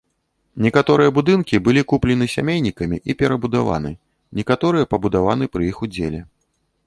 Некаторыя будынкі былі куплены сямейнікамі і перабудаваны, некаторыя пабудаваны пры іх удзеле.